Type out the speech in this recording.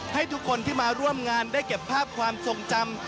ให้ทุกคนที่มาร่วมงานได้เก็บภาพความทรงจำ